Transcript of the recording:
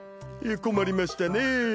困りましたねぇ。